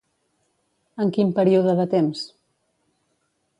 En quin període de temps?